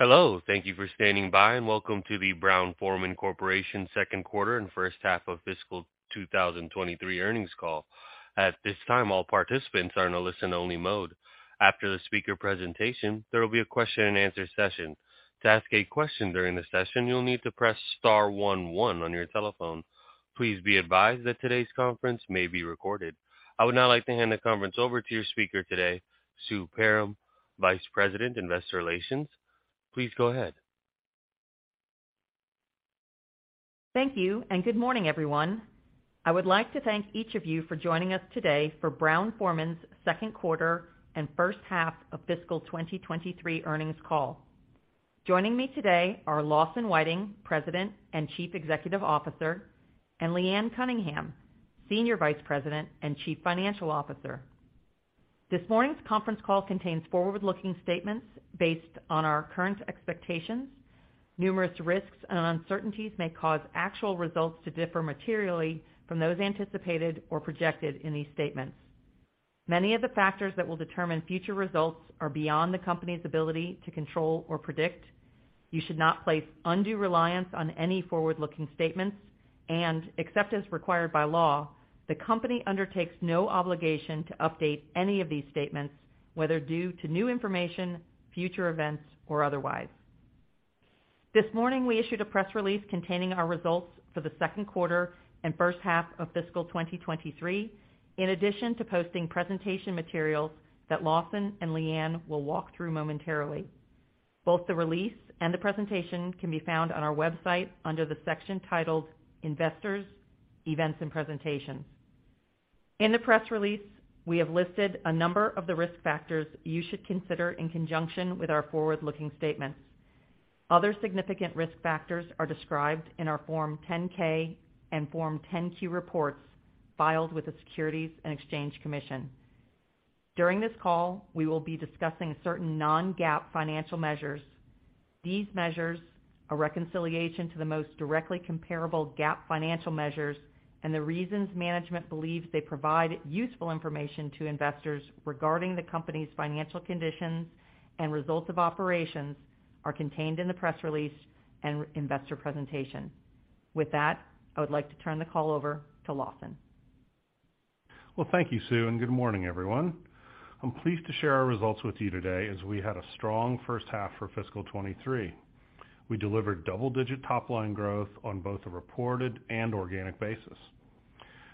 Hello. Thank you for standing by and welcome to the Brown-Forman Corporation Second Quarter and First Half of Fiscal 2023 Earnings Call. At this time, all participants are in a listen only mode. After the speaker presentation, there will be a question-and-answer session. To ask a question during the session, you'll need to press star one on your telephone. Please be advised that today's conference may be recorded. I would now like to hand the conference over to your speaker today, Sue Perram, Vice President, Investor Relations. Please go ahead. Thank you, and good morning, everyone. I would like to thank each of you for joining us today for Brown-Forman's Second Quarter and First Half of Fiscal 2023 Earnings Call. Joining me today are Lawson Whiting, President and Chief Executive Officer, and Leanne Cunningham, Senior Vice President and Chief Financial Officer. This morning's conference call contains forward-looking statements based on our current expectations. Numerous risks and uncertainties may cause actual results to differ materially from those anticipated or projected in these statements. Many of the factors that will determine future results are beyond the company's ability to control or predict. You should not place undue reliance on any forward-looking statements, and except as required by law, the company undertakes no obligation to update any of these statements, whether due to new information, future events or otherwise. This morning, we issued a press release containing our results for the second quarter and first half of fiscal 2023. In addition to posting presentation materials that Lawson and Leanne will walk through momentarily. Both the release and the presentation can be found on our website under the section titled Investors, Events, and Presentations. In the press release, we have listed a number of the risk factors you should consider in conjunction with our forward-looking statements. Other significant risk factors are described in our Form 10-K and Form 10-Q reports filed with the Securities and Exchange Commission. During this call, we will be discussing certain non-GAAP financial measures. These measures, a reconciliation to the most directly comparable GAAP financial measures, and the reasons management believes they provide useful information to investors regarding the company's financial conditions and results of operations, are contained in the press release and investor presentation. With that, I would like to turn the call over to Lawson. Well, thank you, Sue, and good morning, everyone. I'm pleased to share our results with you today as we had a strong first half for fiscal 2023. We delivered double-digit top line growth on both a reported and organic basis.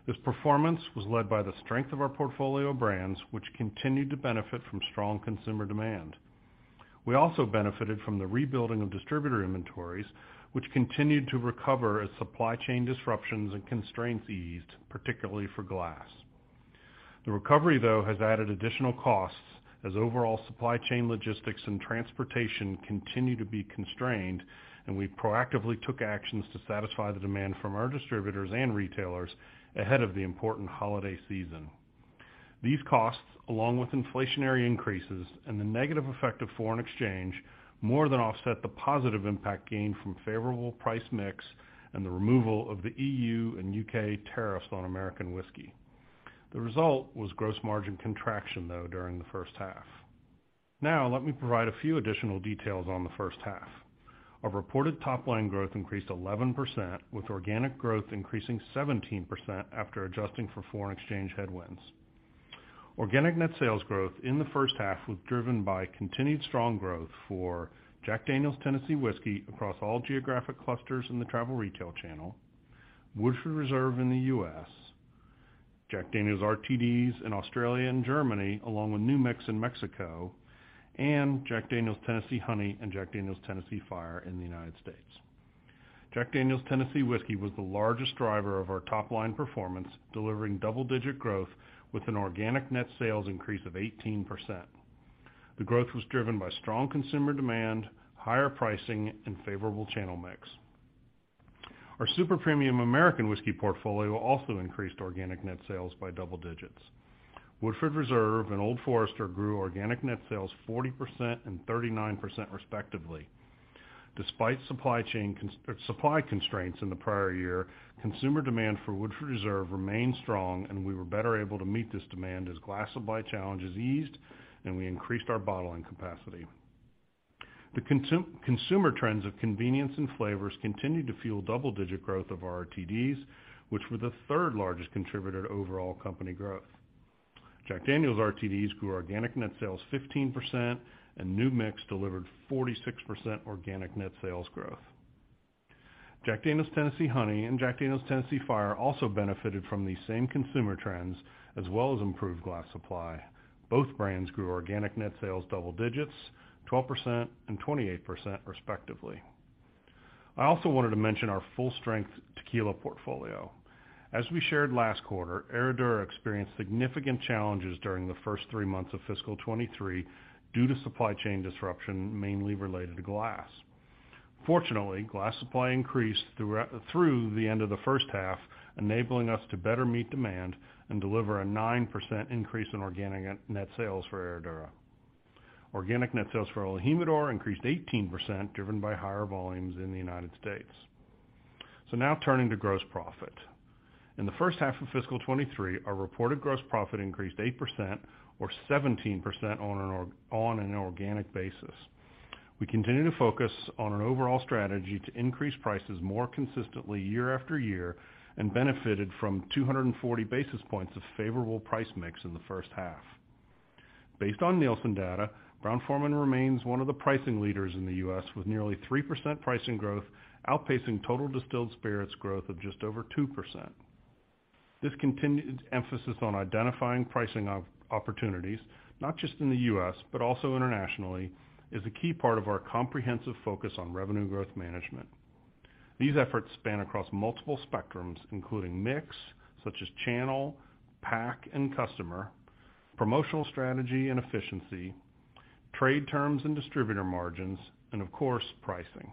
This performance was led by the strength of our portfolio of brands, which continued to benefit from strong consumer demand. We also benefited from the rebuilding of distributor inventories, which continued to recover as supply chain disruptions and constraints eased, particularly for glass. The recovery, though, has added additional costs as overall supply chain logistics and transportation continue to be constrained, and we proactively took actions to satisfy the demand from our distributors and retailers ahead of the important holiday season. These costs, along with inflationary increases and the negative effect of foreign exchange, more than offset the positive impact gained from favorable price mix and the removal of the EU and U.K. tariffs on American whiskey. The result was gross margin contraction, though, during the first half. Let me provide a few additional details on the first half. Our reported top line growth increased 11%, with organic growth increasing 17% after adjusting for foreign exchange headwinds. Organic net sales growth in the first half was driven by continued strong growth for Jack Daniel's Tennessee Whiskey across all geographic clusters in the travel retail channel. Woodford Reserve in the U.S. Jack Daniel's RTDs in Australia and Germany, along with New Mix in Mexico. Jack Daniel's Tennessee Honey and Jack Daniel's Tennessee Fire in the United States. Jack Daniel's Tennessee Whiskey was the largest driver of our top line performance, delivering double-digit growth with an organic net sales increase of 18%. The growth was driven by strong consumer demand, higher pricing and favorable channel mix. Our super premium American Whiskey portfolio also increased organic net sales by double digits. Woodford Reserve and Old Forester grew organic net sales 40% and 39%, respectively. Despite supply constraints in the prior year, consumer demand for Woodford Reserve remained strong, and we were better able to meet this demand as glass supply challenges eased and we increased our bottling capacity. The consumer trends of convenience and flavors continued to fuel double-digit growth of our RTDs, which were the third largest contributor to overall company growth. Jack Daniel's RTDs grew organic net sales 15%, and New Mix delivered 46% organic net sales growth. Jack Daniel's Tennessee Honey and Jack Daniel's Tennessee Fire also benefited from these same consumer trends, as well as improved glass supply. Both brands grew organic net sales double digits, 12% and 28% respectively. I also wanted to mention our full strength tequila portfolio. As we shared last quarter, Herradura experienced significant challenges during the first three months of fiscal 2023 due to supply chain disruption, mainly related to glass. Fortunately, glass supply increased through the end of the first half, enabling us to better meet demand and deliver a 9% increase in organic net sales for Herradura. Organic net sales for el Jimador increased 18%, driven by higher volumes in the United States. Now turning to gross profit. In the first half of fiscal 2023, our reported gross profit increased 8% or 17% on an organic basis. We continue to focus on an overall strategy to increase prices more consistently year after year and benefited from 240 basis points of favorable price mix in the first half. Based on Nielsen data, Brown-Forman remains one of the pricing leaders in the U.S., with nearly 3% pricing growth, outpacing total distilled spirits growth of just over 2%. This continued emphasis on identifying pricing opportunities, not just in the U.S., but also internationally, is a key part of our comprehensive focus on revenue growth management. These efforts span across multiple spectrums, including mix, such as channel, pack, and customer, promotional strategy and efficiency, trade terms and distributor margins, and of course, pricing.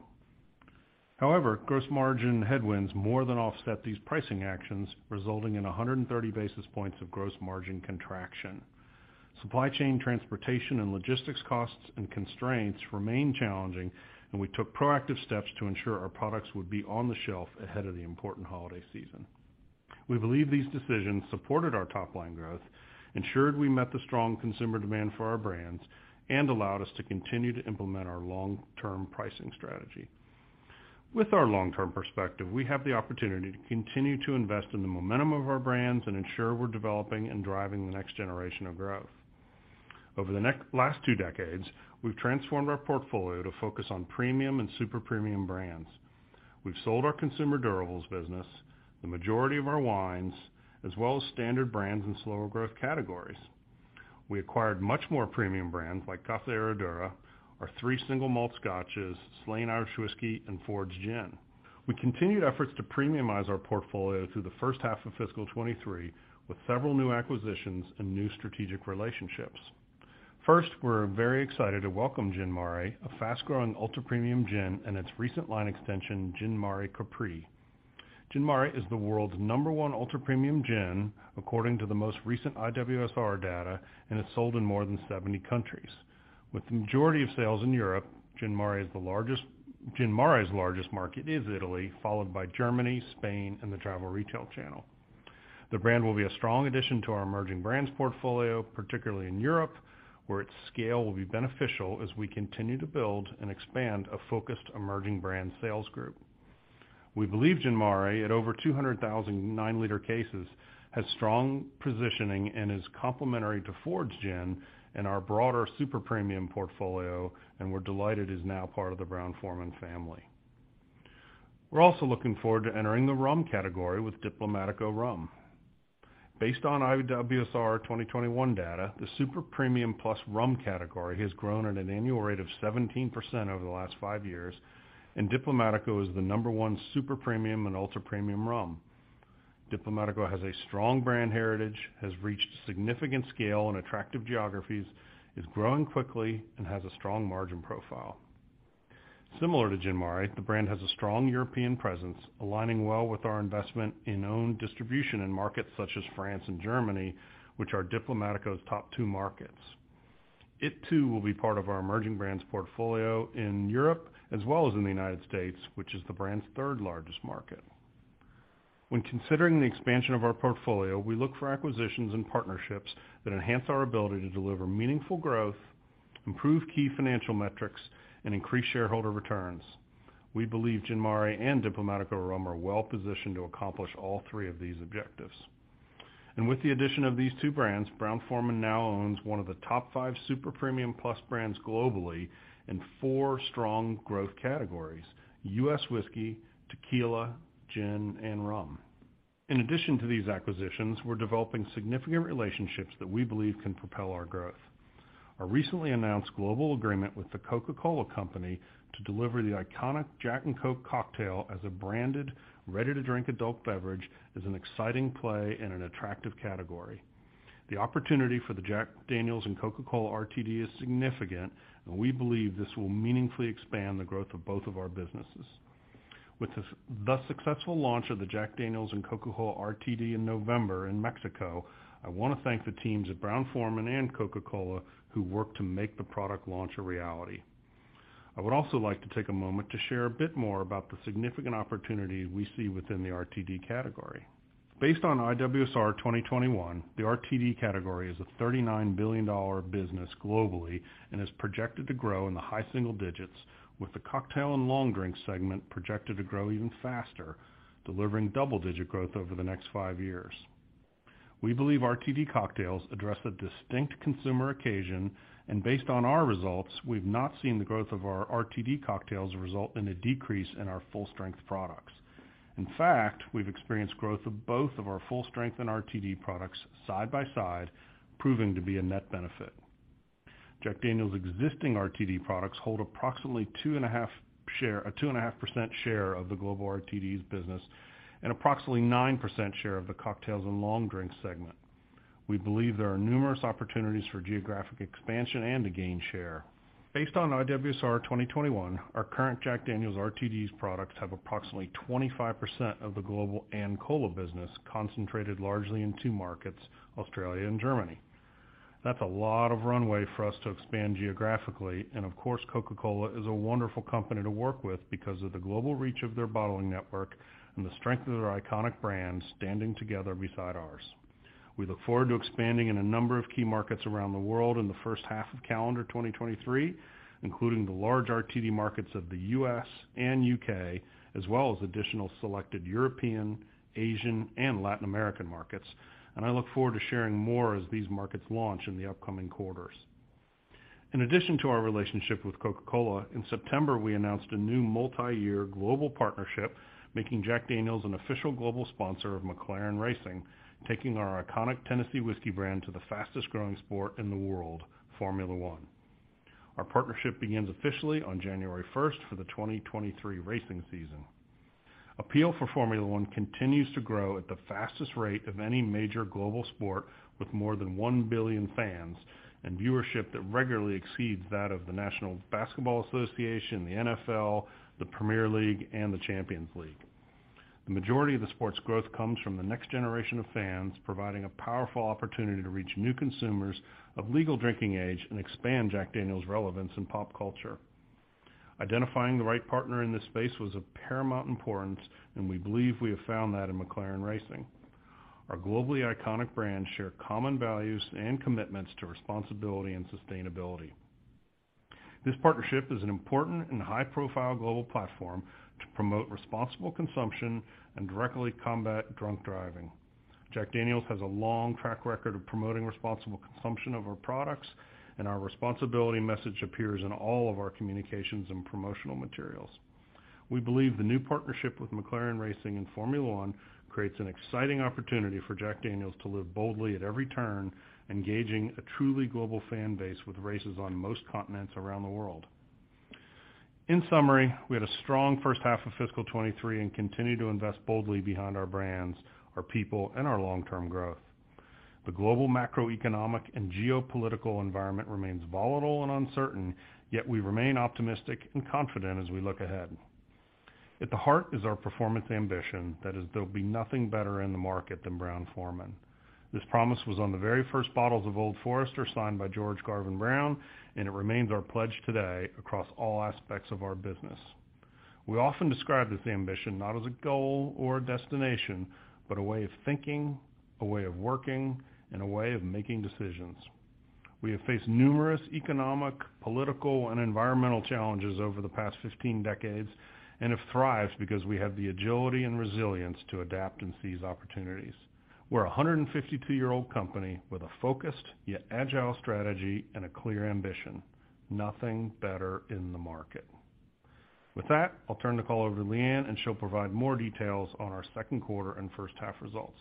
Gross margin headwinds more than offset these pricing actions, resulting in 130 basis points of gross margin contraction. Supply chain transportation and logistics costs and constraints remain challenging. We took proactive steps to ensure our products would be on the shelf ahead of the important holiday season. We believe these decisions supported our top line growth, ensured we met the strong consumer demand for our brands, and allowed us to continue to implement our long-term pricing strategy. With our long-term perspective, we have the opportunity to continue to invest in the momentum of our brands and ensure we're developing and driving the next generation of growth. Over the last two decades, we've transformed our portfolio to focus on premium and super premium brands. We've sold our consumer durables business, the majority of our wines, as well as standard brands in slower growth categories. We acquired much more premium brands like Casa Herradura, our three single malt scotches, Slane Irish Whiskey, and Fords Gin. We continued efforts to premiumize our portfolio through the first half of fiscal 2023, with several new acquisitions and new strategic relationships. First, we're very excited to welcome Gin Mare, a fast-growing ultra-premium gin and its recent line extension, Gin Mare Capri. Gin Mare is the world's number one ultra-premium gin, according to the most recent IWSR data, and it's sold in more than 70 countries. With the majority of sales in Europe, Gin Mare's largest market is Italy, followed by Germany, Spain, and the travel retail channel. The brand will be a strong addition to our emerging brands portfolio, particularly in Europe, where its scale will be beneficial as we continue to build and expand a focused emerging brand sales group. We believe Gin Mare, at over 200,000 9 L cases, has strong positioning and is complementary to Fords Gin and our broader super premium portfolio, and we're delighted it is now part of the Brown-Forman family. We're also looking forward to entering the rum category with Diplomático Rum. Based on IWSR 2021 data, the super premium plus rum category has grown at an annual rate of 17% over the last five years, and Diplomático is the number one super premium and ultra-premium rum. Diplomático has a strong brand heritage, has reached significant scale in attractive geographies, is growing quickly, and has a strong margin profile. Similar to Gin Mare, the brand has a strong European presence, aligning well with our investment in owned distribution in markets such as France and Germany, which are Diplomático's top two markets. It, too, will be part of our emerging brands portfolio in Europe as well as in the United States, which is the brand's third-largest market. When considering the expansion of our portfolio, we look for acquisitions and partnerships that enhance our ability to deliver meaningful growth, improve key financial metrics, and increase shareholder returns. We believe Gin Mare and Diplomático Rum are well-positioned to accomplish all three of these objectives. With the addition of these two brands, Brown-Forman now owns one of the top five super premium plus brands globally in four strong growth categories: U.S. whiskey, tequila, gin, and rum. In addition to these acquisitions, we're developing significant relationships that we believe can propel our growth. Our recently announced global agreement with The Coca-Cola Company to deliver the iconic Jack & Coke cocktail as a branded, ready-to-drink adult beverage is an exciting play in an attractive category. The opportunity for the Jack Daniel's & Coca-Cola RTD is significant, and we believe this will meaningfully expand the growth of both of our businesses. With the successful launch of the Jack Daniel's & Coca-Cola RTD in November in Mexico, I wanna thank the teams at Brown-Forman and Coca-Cola who worked to make the product launch a reality. I would also like to take a moment to share a bit more about the significant opportunity we see within the RTD category. Based on IWSR 2021, the RTD category is a $39 billion business globally and is projected to grow in the high single digits, with the cocktail and long drink segment projected to grow even faster, delivering double-digit growth over the next five years. We believe RTD cocktails address a distinct consumer occasion, based on our results, we've not seen the growth of our RTD cocktails result in a decrease in our full-strength products. In fact, we've experienced growth of both of our full-strength and RTD products side by side, proving to be a net benefit. Jack Daniel's existing RTD products hold approximately a 2.5% share of the global RTDs business and approximately 9% share of the cocktails and long drinks segment. We believe there are numerous opportunities for geographic expansion and to gain share. Based on IWSR 2021, our current Jack Daniel's RTDs products have approximately 25% of the global and cola business concentrated largely in two markets, Australia and Germany. That's a lot of runway for us to expand geographically. Of course, Coca-Cola is a wonderful company to work with because of the global reach of their bottling network and the strength of their iconic brand standing together beside ours. We look forward to expanding in a number of key markets around the world in the first half of calendar 2023, including the large RTD markets of the U.S. and U.K., as well as additional selected European, Asian, and Latin American markets. I look forward to sharing more as these markets launch in the upcoming quarters. In addition to our relationship with Coca-Cola, in September, we announced a new multi-year global partnership, making Jack Daniel's an official global sponsor of McLaren Racing, taking our iconic Tennessee whiskey brand to the fastest-growing sport in the world, Formula 1. Our partnership begins officially on January 1st for the 2023 racing season. Appeal for Formula 1 continues to grow at the fastest rate of any major global sport, with more than 1 billion fans and viewership that regularly exceeds that of the National Basketball Association, the NFL, the Premier League, and the Champions League. The majority of the sport's growth comes from the next generation of fans, providing a powerful opportunity to reach new consumers of legal drinking age and expand Jack Daniel's relevance in pop culture. Identifying the right partner in this space was of paramount importance, and we believe we have found that in McLaren Racing. Our globally iconic brands share common values and commitments to responsibility and sustainability. This partnership is an important and high-profile global platform to promote responsible consumption and directly combat drunk driving. Jack Daniel's has a long track record of promoting responsible consumption of our products, and our responsibility message appears in all of our communications and promotional materials. We believe the new partnership with McLaren Racing in Formula 1 creates an exciting opportunity for Jack Daniel's to live boldly at every turn, engaging a truly global fan base with races on most continents around the world. In summary, we had a strong first half of fiscal 2023 and continue to invest boldly behind our brands, our people, and our long-term growth. The global macroeconomic and geopolitical environment remains volatile and uncertain, yet we remain optimistic and confident as we look ahead. At the heart is our performance ambition, that is, there'll be nothing better in the market than Brown-Forman. This promise was on the very first bottles of Old Forester signed by George Garvin Brown. It remains our pledge today across all aspects of our business. We often describe this ambition not as a goal or a destination, but a way of thinking, a way of working, and a way of making decisions. We have faced numerous economic, political, and environmental challenges over the past 15 decades and have thrived because we have the agility and resilience to adapt and seize opportunities. We're a 152-year-old company with a focused yet agile strategy and a clear ambition, nothing better in the market. With that, I'll turn the call over to Leanne, and she'll provide more details on our second quarter and first half results.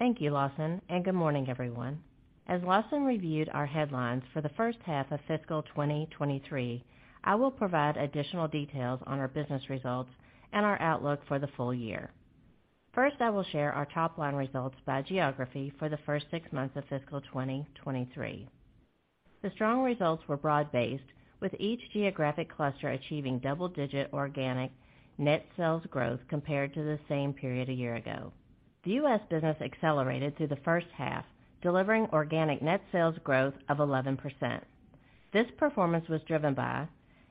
Thank you, Lawson, and good morning, everyone. As Lawson reviewed our headlines for the first half of fiscal 2023, I will provide additional details on our business results and our outlook for the full year. First, I will share our top-line results by geography for the first six months of fiscal 2023. The strong results were broad-based, with each geographic cluster achieving double-digit organic net sales growth compared to the same period a year ago. The U.S. business accelerated through the first half, delivering organic net sales growth of 11%. This performance was driven by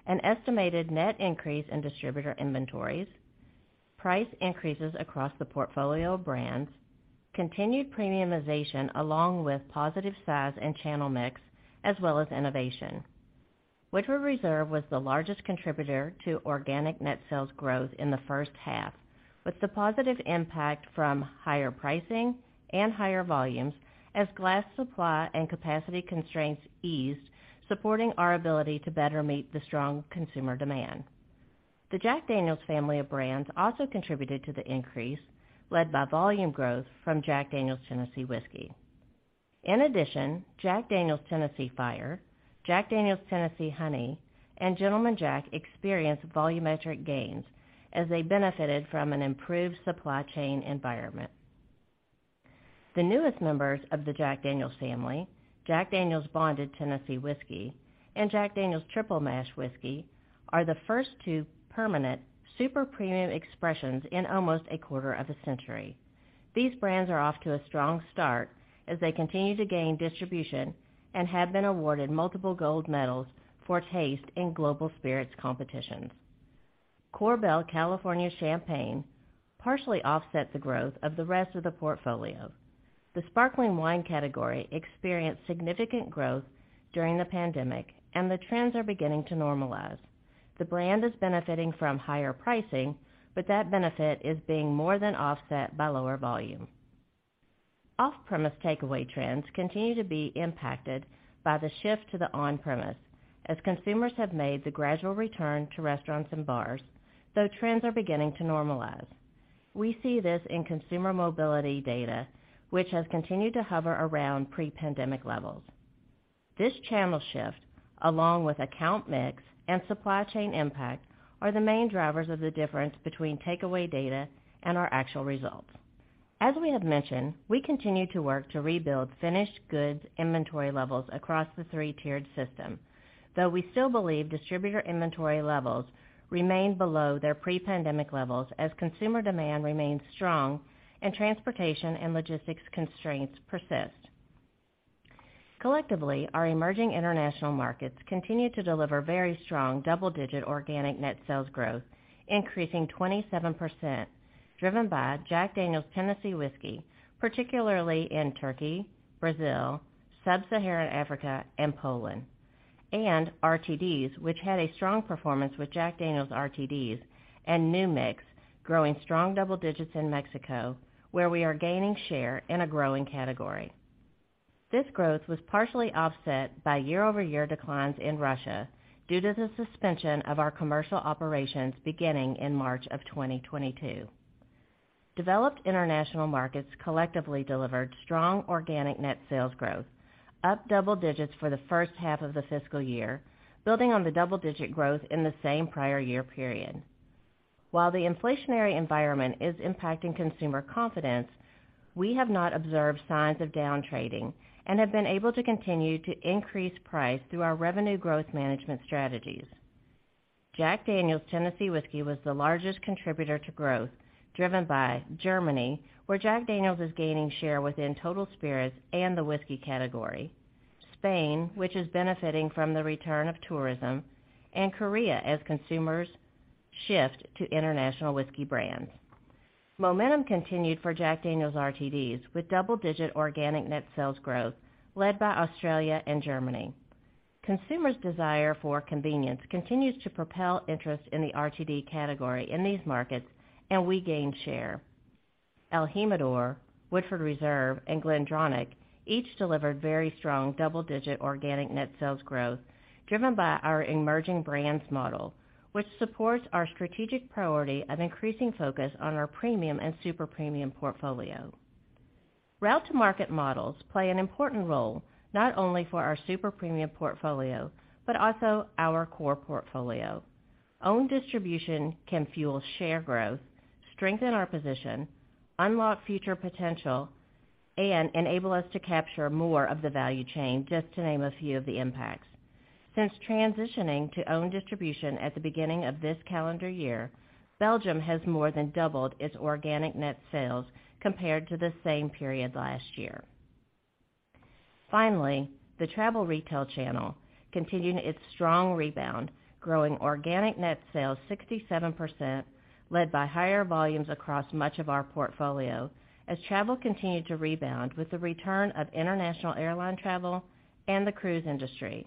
an estimated net increase in distributor inventories, price increases across the portfolio of brands, continued premiumization along with positive size and channel mix, as well as innovation. Woodford Reserve was the largest contributor to organic net sales growth in the first half, with the positive impact from higher pricing and higher volumes as glass supply and capacity constraints eased, supporting our ability to better meet the strong consumer demand. The Jack Daniel's family of brands also contributed to the increase, led by volume growth from Jack Daniel's Tennessee Whiskey. In addition, Jack Daniel's Tennessee Fire, Jack Daniel's Tennessee Honey, and Gentleman Jack experienced volumetric gains as they benefited from an improved supply chain environment. The newest members of the Jack Daniel's family, Jack Daniel's Bonded Tennessee Whiskey and Jack Daniel's Triple Mash Whiskey, are the first two permanent super premium expressions in almost a quarter of a century. These brands are off to a strong start as they continue to gain distribution and have been awarded multiple gold medals for taste in global spirits competitions. Korbel California Champagne partially offset the growth of the rest of the portfolio. The sparkling wine category experienced significant growth during the pandemic, and the trends are beginning to normalize. The brand is benefiting from higher pricing, but that benefit is being more than offset by lower volume. Off-premise takeaway trends continue to be impacted by the shift to the on-premise as consumers have made the gradual return to restaurants and bars, though trends are beginning to normalize. We see this in consumer mobility data, which has continued to hover around pre-pandemic levels. This channel shift, along with account mix and supply chain impact, are the main drivers of the difference between takeaway data and our actual results. As we have mentioned, we continue to work to rebuild finished goods inventory levels across the three-tier system, though we still believe distributor inventory levels remain below their pre-pandemic levels as consumer demand remains strong and transportation and logistics constraints persist. Collectively, our emerging international markets continue to deliver very strong double-digit organic net sales growth, increasing 27%, driven by Jack Daniel's Tennessee Whiskey, particularly in Turkey, Brazil, Sub-Saharan Africa and Poland, and RTDs, which had a strong performance with Jack Daniel's RTDs and New Mix growing strong double digits in Mexico, where we are gaining share in a growing category. This growth was partially offset by year-over-year declines in Russia due to the suspension of our commercial operations beginning in March of 2022. Developed international markets collectively delivered strong organic net sales growth, up double digits for the first half of the fiscal year, building on the double-digit growth in the same prior year period. While the inflationary environment is impacting consumer confidence, we have not observed signs of down trading and have been able to continue to increase price through our revenue growth management strategies. Jack Daniel's Tennessee Whiskey was the largest contributor to growth driven by Germany, where Jack Daniel's is gaining share within total spirits and the whiskey category. Spain, which is benefiting from the return of tourism, and Korea as consumers shift to international whiskey brands. Momentum continued for Jack Daniel's RTDs with double-digit organic net sales growth led by Australia and Germany. Consumers' desire for convenience continues to propel interest in the RTD category in these markets, and we gain share. el Jimador, Woodford Reserve and GlenDronach each delivered very strong double-digit organic net sales growth, driven by our emerging brands model, which supports our strategic priority of increasing focus on our premium and super-premium portfolio. Route to market models play an important role not only for our super-premium portfolio, but also our core portfolio. Own distribution can fuel share growth, strengthen our position, unlock future potential, and enable us to capture more of the value chain, just to name a few of the impacts. Since transitioning to own distribution at the beginning of this calendar year, Belgium has more than doubled its organic net sales compared to the same period last year. Finally, the travel retail channel continued its strong rebound, growing organic net sales 67%, led by higher volumes across much of our portfolio as travel continued to rebound with the return of international airline travel and the cruise industry.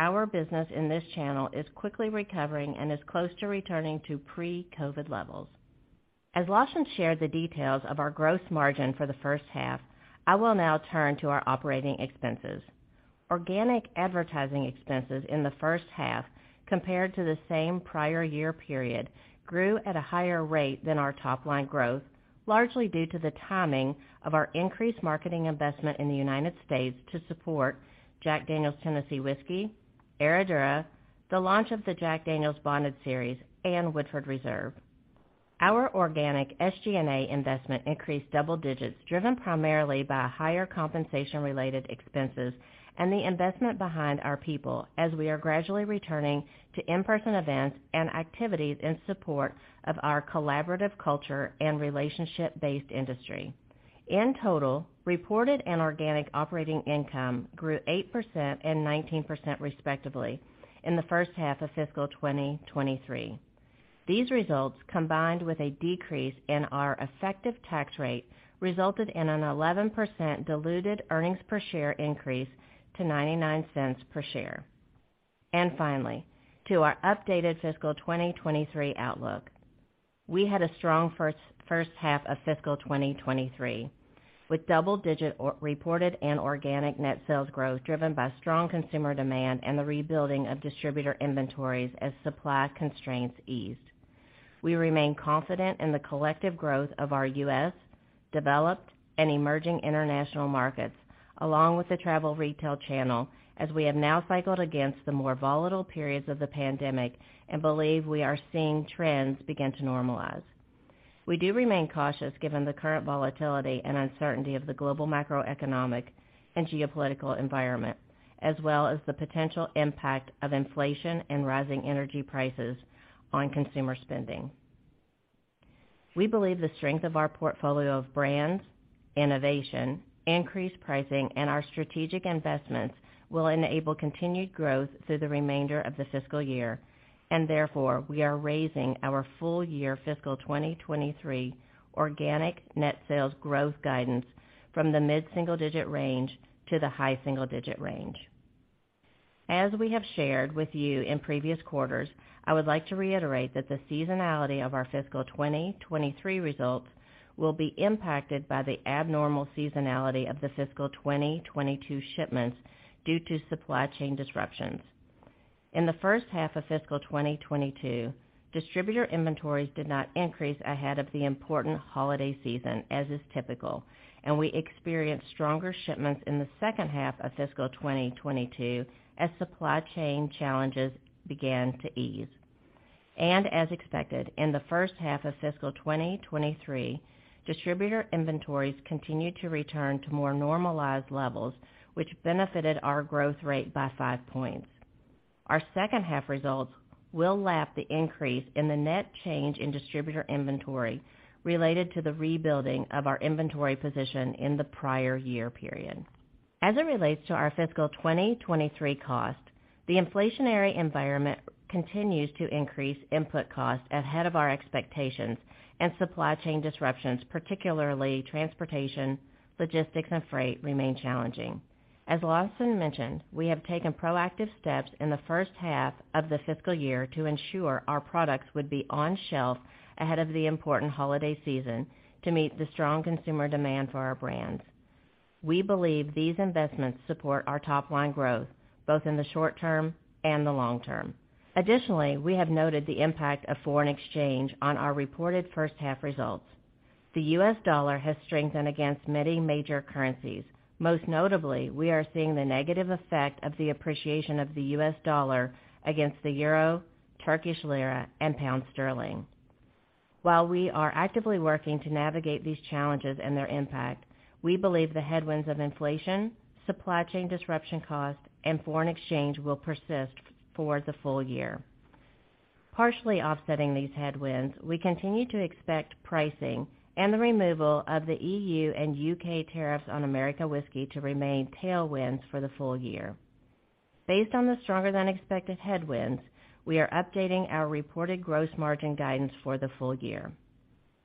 Our business in this channel is quickly recovering and is close to returning to pre-COVID levels. As Lawson shared the details of our gross margin for the first half, I will now turn to our operating expenses. Organic advertising expenses in the first half compared to the same prior year period grew at a higher rate than our top line growth, largely due to the timing of our increased marketing investment in the United States to support Jack Daniel's Tennessee Whiskey, Herradura, the launch of the Jack Daniel's Bonded Series and Woodford Reserve. Our organic SG&A investment increased double digits, driven primarily by higher compensation-related expenses and the investment behind our people as we are gradually returning to in-person events and activities in support of our collaborative culture and relationship-based industry. In total, reported and organic operating income grew 8% and 19% respectively in the first half of fiscal 2023. These results, combined with a decrease in our effective tax rate, resulted in an 11% diluted earnings per share increase to $0.99 per share. Finally, to our updated fiscal 2023 outlook. We had a strong first half of fiscal 2023, with double-digit reported and organic net sales growth driven by strong consumer demand and the rebuilding of distributor inventories as supply constraints eased. We remain confident in the collective growth of our U.S., developed and emerging international markets, along with the travel retail channel, as we have now cycled against the more volatile periods of the pandemic and believe we are seeing trends begin to normalize. We do remain cautious given the current volatility and uncertainty of the global macroeconomic and geopolitical environment, as well as the potential impact of inflation and rising energy prices on consumer spending. We believe the strength of our portfolio of brands, innovation, increased pricing, and our strategic investments will enable continued growth through the remainder of the fiscal year, and therefore we are raising our full year fiscal 2023 organic net sales growth guidance from the mid-single-digit range to the high-single-digit range. As we have shared with you in previous quarters, I would like to reiterate that the seasonality of our fiscal 2023 results will be impacted by the abnormal seasonality of the fiscal 2022 shipments due to supply chain disruptions. In the first half of fiscal 2022, distributor inventories did not increase ahead of the important holiday season, as is typical, and we experienced stronger shipments in the second half of fiscal 2022 as supply chain challenges began to ease. As expected, in the first half of fiscal 2023, distributor inventories continued to return to more normalized levels, which benefited our growth rate by five points. Our second half results will lap the increase in the net change in distributor inventory related to the rebuilding of our inventory position in the prior year period. As it relates to our fiscal 2023 cost, the inflationary environment continues to increase input costs ahead of our expectations and supply chain disruptions, particularly transportation, logistics and freight remain challenging. As Lawson mentioned, we have taken proactive steps in the first half of the fiscal year to ensure our products would be on shelf ahead of the important holiday season to meet the strong consumer demand for our brands. We believe these investments support our top line growth both in the short term and the long term. Additionally, we have noted the impact of foreign exchange on our reported first half results. The U.S. dollar has strengthened against many major currencies. Most notably, we are seeing the negative effect of the appreciation of the U.S. dollar against the euro, Turkish lira and pound sterling. While we are actively working to navigate these challenges and their impact, we believe the headwinds of inflation, supply chain disruption costs and foreign exchange will persist for the full year. Partially offsetting these headwinds, we continue to expect pricing and the removal of the EU and U.K. tariffs on American Whiskey to remain tailwinds for the full year. Based on the stronger than expected headwinds, we are updating our reported gross margin guidance for the full year.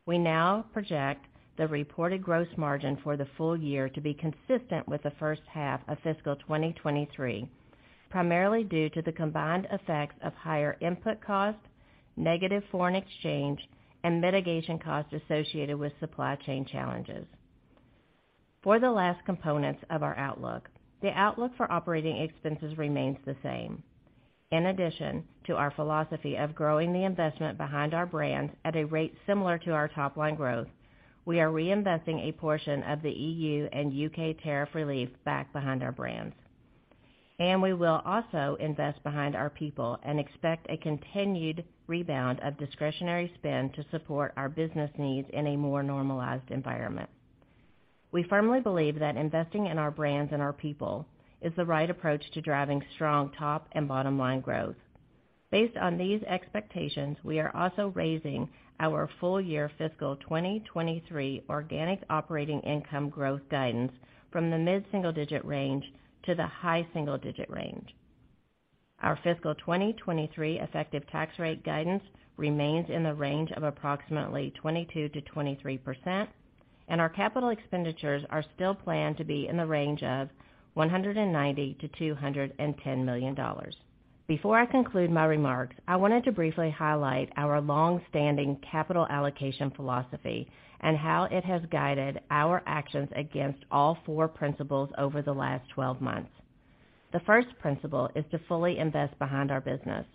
We now project the reported gross margin for the full year to be consistent with the first half of fiscal 2023, primarily due to the combined effects of higher input costs, negative foreign exchange and mitigation costs associated with supply chain challenges. For the last components of our outlook. The outlook for operating expenses remains the same. In addition to our philosophy of growing the investment behind our brands at a rate similar to our top line growth, we are reinvesting a portion of the EU and U.K. tariff relief back behind our brands. We will also invest behind our people and expect a continued rebound of discretionary spend to support our business needs in a more normalized environment. We firmly believe that investing in our brands and our people is the right approach to driving strong top and bottom line growth. Based on these expectations, we are also raising our full year fiscal 2023 organic operating income growth guidance from the mid-single digit range to the high single digit range. Our fiscal 2023 effective tax rate guidance remains in the range of approximately 22%-23%, and our capital expenditures are still planned to be in the range of $190 million-$210 million. Before I conclude my remarks, I wanted to briefly highlight our long-standing capital allocation philosophy and how it has guided our actions against all four principles over the last 12 months. The first principle is to fully invest behind our business.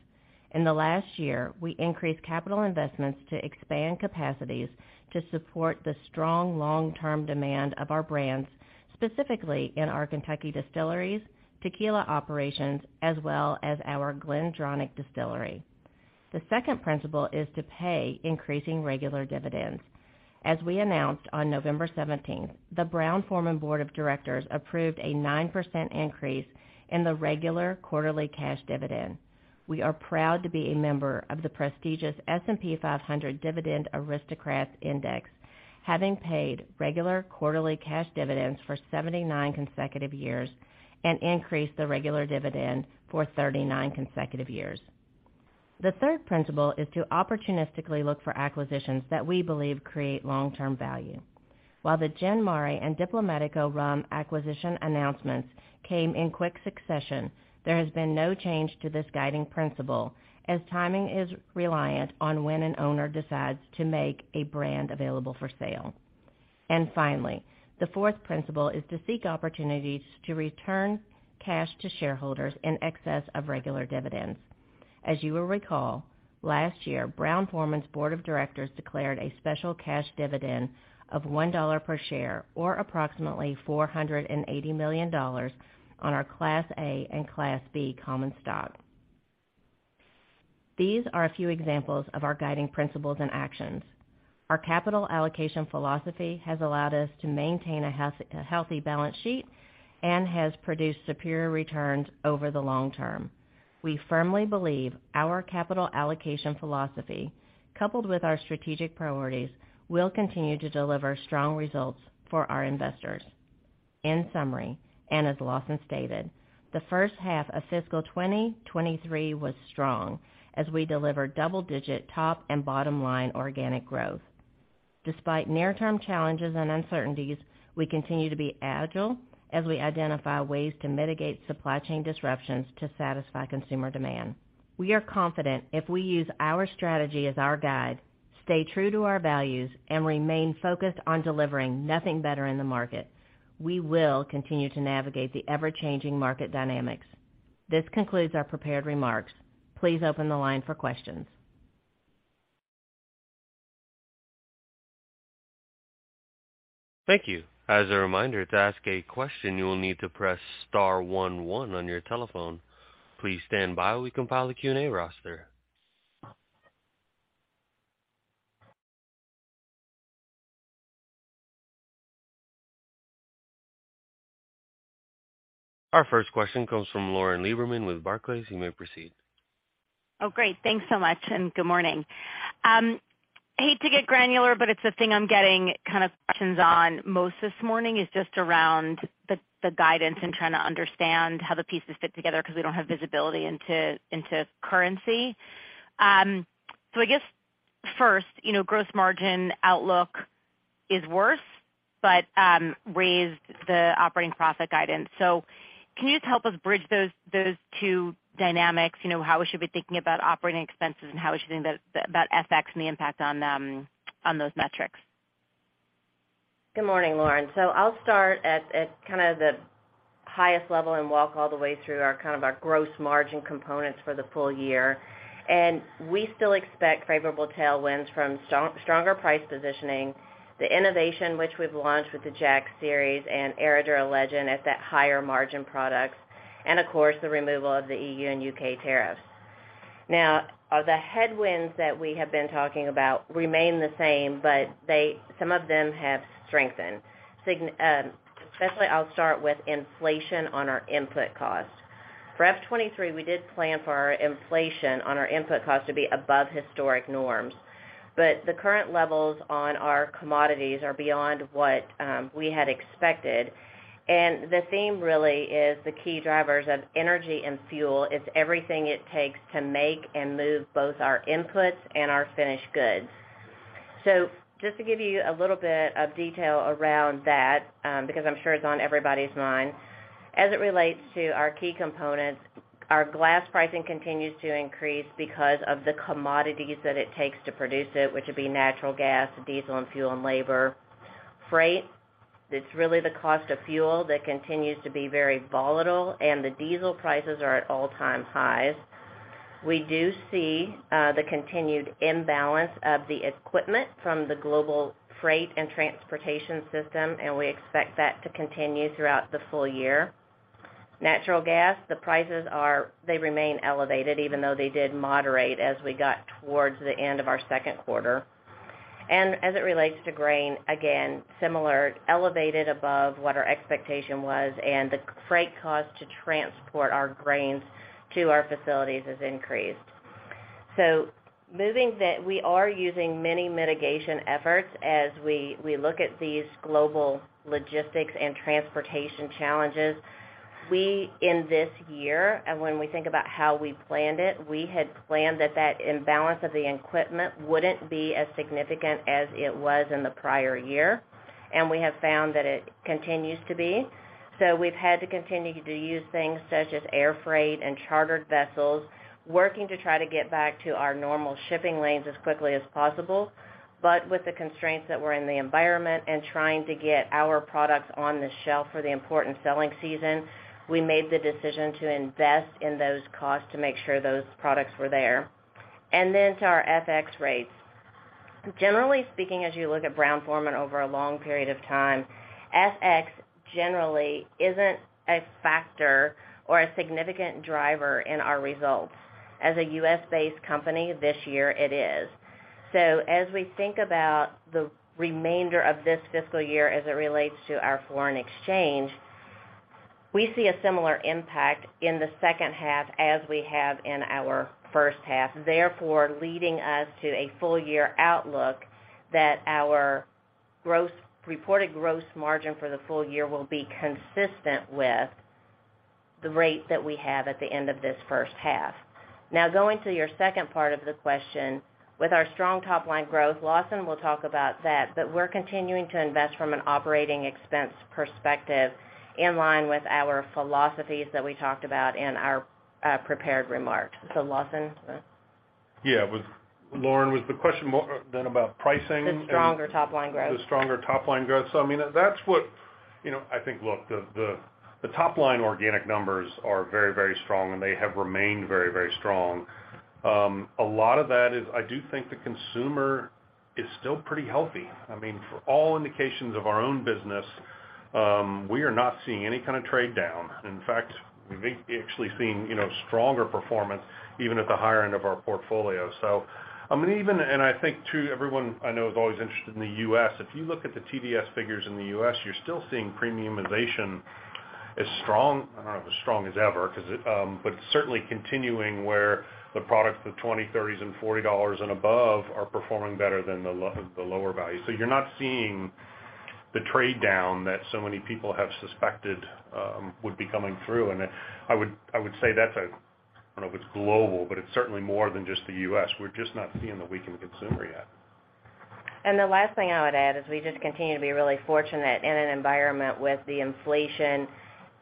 In the last year, we increased capital investments to expand capacities to support the strong long-term demand of our brands, specifically in our Kentucky distilleries, tequila operations, as well as our Glendronach distillery. The second principle is to pay increasing regular dividends. As we announced on November 17th, the Brown-Forman Board of Directors approved a 9% increase in the regular quarterly cash dividend. We are proud to be a member of the prestigious S&P 500 Dividend Aristocrats Index, having paid regular quarterly cash dividends for 79 consecutive years and increased the regular dividend for 39 consecutive years. The third principle is to opportunistically look for acquisitions that we believe create long-term value. While the Gin Mare and Diplomático Rum acquisition announcements came in quick succession, there has been no change to this guiding principle, as timing is reliant on when an owner decides to make a brand available for sale. Finally, the fourth principle is to seek opportunities to return cash to shareholders in excess of regular dividends. As you will recall, last year Brown-Forman's Board of Directors declared a special cash dividend of $1 per share or approximately $480 million on our Class A and Class B common stock. These are a few examples of our guiding principles and actions. Our capital allocation philosophy has allowed us to maintain a healthy balance sheet and has produced superior returns over the long term. We firmly believe our capital allocation philosophy, coupled with our strategic priorities, will continue to deliver strong results for our investors. In summary, as Lawson stated, the first half of fiscal 2023 was strong as we delivered double-digit top and bottom line organic growth. Despite near-term challenges and uncertainties, we continue to be agile as we identify ways to mitigate supply chain disruptions to satisfy consumer demand. We are confident if we use our strategy as our guide, stay true to our values, and remain focused on delivering nothing better in the market, we will continue to navigate the ever-changing market dynamics. This concludes our prepared remarks. Please open the line for questions. Thank you. As a reminder, to ask a question, you will need to press star one one on your telephone. Please stand by while we compile the Q&A roster. Our first question comes from Lauren Lieberman with Barclays. You may proceed. Great. Thanks so much, and good morning. Hate to get granular, but it's the thing I'm getting kind of questions on most this morning is just around the guidance and trying to understand how the pieces fit together because we don't have visibility into currency. I guess first, you know, gross margin outlook is worse, but raised the operating profit guidance. Can you just help us bridge those two dynamics, you know, how we should be thinking about operating expenses and how we should think about FX and the impact on those metrics? Good morning, Lauren. I'll start at kind of the highest level and walk all the way through our kind of our gross margin components for the full year. We still expect favorable tailwinds from stronger price positioning, the innovation which we've launched with the Jacks series and Herradura Legend as that higher margin products, and of course, the removal of the EU and U.K. tariffs. Now, the headwinds that we have been talking about remain the same, but some of them have strengthened. Especially I'll start with inflation on our input costs. For F23, we did plan for our inflation on our input cost to be above historic norms. The current levels on our commodities are beyond what we had expected. The theme really is the key drivers of energy and fuel. It's everything it takes to make and move both our inputs and our finished goods. Just to give you a little bit of detail around that, because I'm sure it's on everybody's mind. As it relates to our key components, our glass pricing continues to increase because of the commodities that it takes to produce it, which would be natural gas, diesel and fuel and labor. Freight, it's really the cost of fuel that continues to be very volatile, and the diesel prices are at all-time highs. We do see the continued imbalance of the equipment from the global freight and transportation system, and we expect that to continue throughout the full year. Natural gas, the prices remain elevated, even though they did moderate as we got towards the end of our second quarter. As it relates to grain, again, similar, elevated above what our expectation was, and the freight cost to transport our grains to our facilities has increased. Moving that, we are using many mitigation efforts as we look at these global logistics and transportation challenges. We, in this year, and when we think about how we planned it, we had planned that that imbalance of the equipment wouldn't be as significant as it was in the prior year, and we have found that it continues to be. We've had to continue to use things such as air freight and chartered vessels, working to try to get back to our normal shipping lanes as quickly as possible. With the constraints that were in the environment and trying to get our products on the shelf for the important selling season, we made the decision to invest in those costs to make sure those products were there. To our FX rates. Generally speaking, as you look at Brown-Forman over a long period of time, FX generally isn't a factor or a significant driver in our results. As a U.S.-based company, this year it is. As we think about the remainder of this fiscal year as it relates to our foreign exchange, we see a similar impact in the second half as we have in our first half, therefore leading us to a full year outlook that our reported gross margin for the full year will be consistent with the rate that we have at the end of this first half. Going to your second part of the question, with our strong top line growth, Lawson will talk about that, but we're continuing to invest from an operating expense perspective in line with our philosophies that we talked about in our prepared remarks. Lawson? Yeah. Lauren, was the question more then about pricing and The stronger top line growth. the stronger top line growth. I mean, that's what. You know, I think, look, the top line organic numbers are very, very strong, and they have remained very, very strong. A lot of that is I do think the consumer is still pretty healthy. I mean, for all indications of our own business, we are not seeing any kind of trade down. In fact, we've actually seen, you know, stronger performance even at the higher end of our portfolio. I mean, even and I think too, everyone I know is always interested in the U.S. If you look at the TDS figures in the U.S., you're still seeing premiumization as strong, I don't know if as strong as ever, 'cause it, but certainly continuing where the products of $20, $30 and $40 and above are performing better than the lower value. You're not seeing the trade down that so many people have suspected, would be coming through. I would say that's a, I don't know if it's global, but it's certainly more than just the U.S. We're just not seeing the weakened consumer yet. The last thing I would add is we just continue to be really fortunate in an environment with the inflation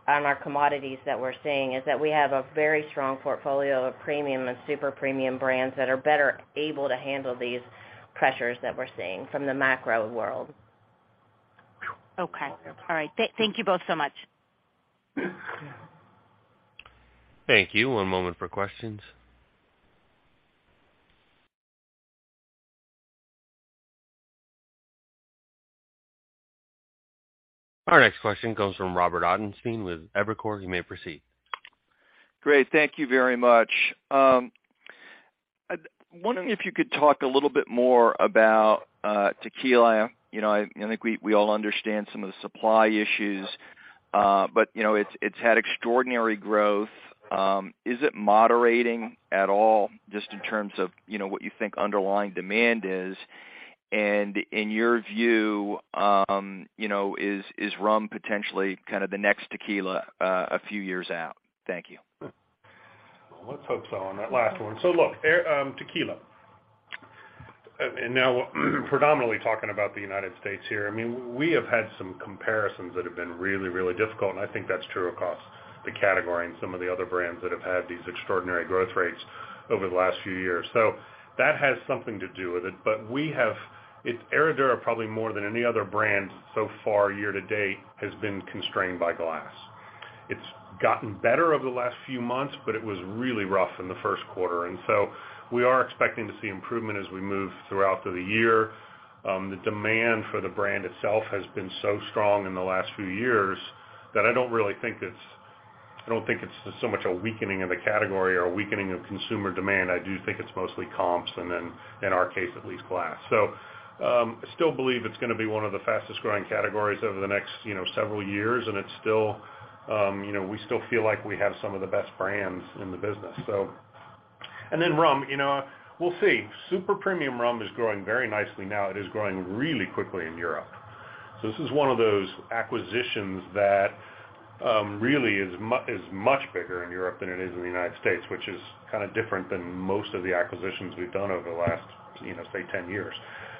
on our commodities that we're seeing, is that we have a very strong portfolio of premium and super premium brands that are better able to handle these pressures that we're seeing from the macro world. Okay. All right. Thank you both so much. Thank you. One moment for questions. Our next question comes from Robert Ottenstein with Evercore. You may proceed. Great. Thank you very much. I'm wondering if you could talk a little bit more about tequila. You know, I think we all understand some of the supply issues, but, you know, it's had extraordinary growth. Is it moderating at all just in terms of, you know, what you think underlying demand is? In your view, you know, is rum potentially kind of the next tequila, a few years out? Thank you. Let's hope so on that last one. Look, tequila. Now predominantly talking about the United States here. I mean, we have had some comparisons that have been really, really difficult, and I think that's true across the category and some of the other brands that have had these extraordinary growth rates over the last few years. That has something to do with it. It's Herradura, probably more than any other brand so far year to date, has been constrained by glass. It's gotten better over the last few months, but it was really rough in the first quarter. We are expecting to see improvement as we move throughout the year. The demand for the brand itself has been so strong in the last few years that I don't really think it's so much a weakening of the category or a weakening of consumer demand. I do think it's mostly comps and then, in our case, at least glass. I still believe it's gonna be one of the fastest growing categories over the next, you know, several years, and it's still, you know, we still feel like we have some of the best brands in the business. Then rum, you know, we'll see. Super premium rum is growing very nicely now. It is growing really quickly in Europe. This is one of those acquisitions that really is much bigger in Europe than it is in the United States, which is kinda different than most of the acquisitions we've done over the last, you know, say, 10 years.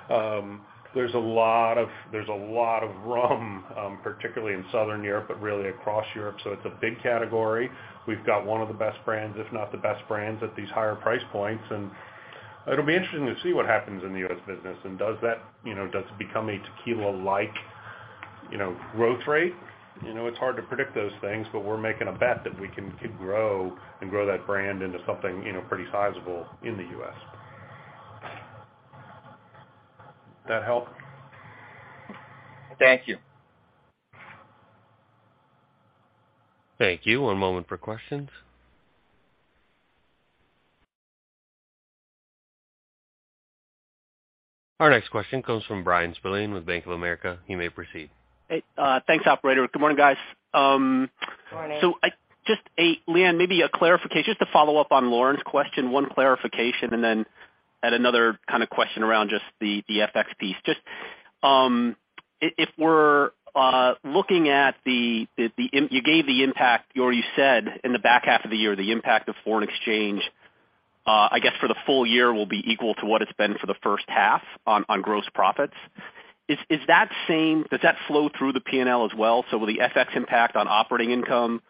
There's a lot of, there's a lot of rum, particularly in Southern Europe, but really across Europe, so it's a big category. We've got one of the best brands, if not the best brands, at these higher price points. It'll be interesting to see what happens in the U.S. business, and does that, you know, does it become a tequila-like, you know, growth rate? You know, it's hard to predict those things, but we're making a bet that we can grow and grow that brand into something, you know, pretty sizable in the U.S. That help? Thank you. Thank you. One moment for questions. Our next question comes from Bryan Spillane with Bank of America. He may proceed. Hey, thanks, operator. Good morning, guys. Morning. Just a, Leanne, maybe a clarification, just to follow up on Lauren's question, one clarification and then add another kind of question around just the FX piece. You gave the impact or you said in the back half of the year, the impact of foreign exchange, I guess for the full year will be equal to what it's been for the first half on gross profits. Is that same? Does that flow through the P&L as well? Will the FX impact on operating income